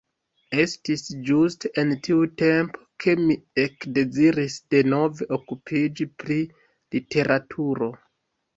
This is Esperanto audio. Estis ĝuste en tiu tempo, ke mi ekdeziris denove okupiĝi pri literaturo.